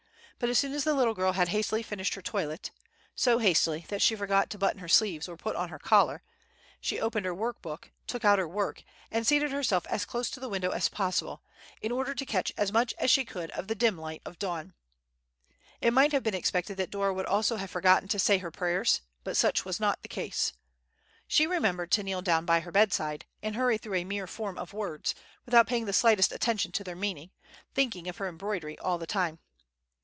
As soon as the little girl had hastily finished her toilet, so hastily that she forgot to button her sleeves or put on her collar, she opened her workbox, took out her work, and seated herself as close to the window as possible, in order to catch as much as she could of the dim light of dawn. It might have been expected that Dora would also have forgotten to say her prayers, but such was not the case. She remembered to kneel down by her bedside and hurry through a mere form of words, without paying the slightest attention to their meaning, thinking of her embroidery all the time.